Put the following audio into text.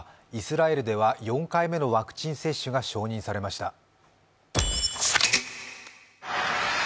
イスラエルでは４回目のワクチン接種が承認されました。